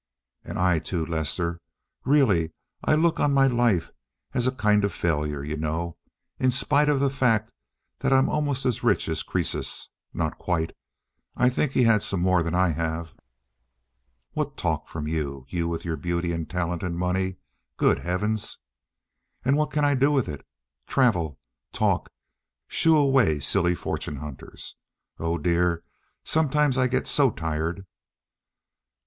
"And I, too, Lester. Really, I look on my life as a kind of failure, you know, in spite of the fact that I'm almost as rich as Croesus—not quite. I think he had some more than I have." "What talk from you—you, with your beauty and talent, and money—good heavens!" "And what can I do with it? Travel, talk, shoo away silly fortune hunters. Oh, dear, sometimes I get so tired!"